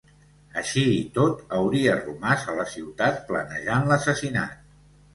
Així i tot, hauria romàs a la ciutat planejant l'assassinat.